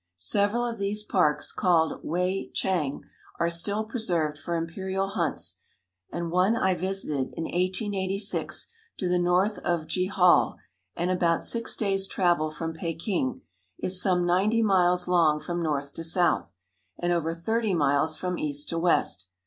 Several of these parks (called wei chang) are still preserved for imperial hunts, and one I visited in 1886, to the north of Jehol and about six days' travel from Peking, is some ninety miles long from north to south, and over thirty miles from east to west.